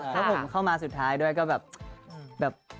ถ้าผมเข้ามาสุดท้ายด้วยก็แบบ